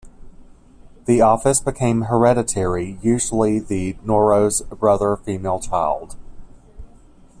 The office became hereditary, usually of the noro's brother female child.